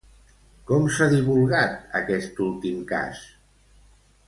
Com s'ha divulgat aquest últim cas?